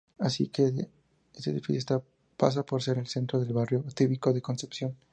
Así este edificio pasa a ser el centro del Barrio Cívico de Concepción.